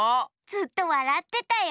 ずっとわらってたよ。